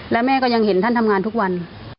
และแม่ก็ยังเห็นท่านทำงานทุกวัน